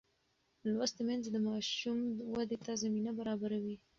لوستې میندې د ماشوم ودې ته زمینه برابروي.